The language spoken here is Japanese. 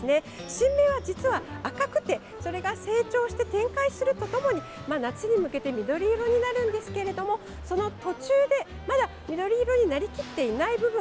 新芽は、実は赤くてそれが成長して展開するとともに夏に向けて緑色になるんですけれどもその途中でまだ緑色になりきっていない部分。